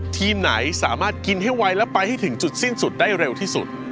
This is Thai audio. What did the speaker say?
ทีมไหนสามารถกินให้ไวและไปให้ถึงจุดสิ้นสุดได้เร็วที่สุด